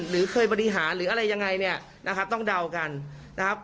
หรือเคยบริหารหรืออะไรยังไงเนี่ยนะครับต้องเดากันนะครับ